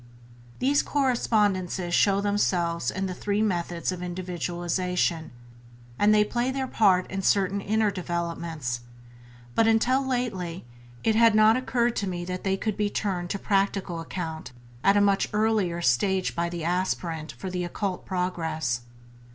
These correspondences show themselves in the three methods of individualization, and they play their part in certain inner developments; but until lately it had not occurred to me that they could be turned to practical account at a much earlier stage by the aspirant for the occult progress.